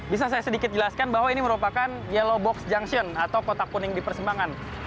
bisa saya sedikit jelaskan bahwa ini merupakan yellow box junction atau kotak kuning di persimbangan